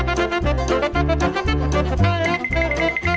โปรดติดตามตอนต่อไป